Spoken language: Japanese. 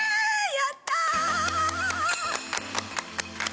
やった。